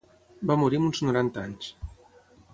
Va morir amb uns noranta anys.